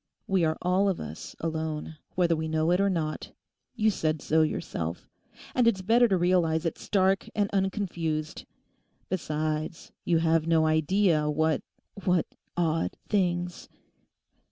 We are all of us alone, whether we know it or not; you said so yourself. And it's better to realize it stark and unconfused. Besides, you have no idea what—what odd things....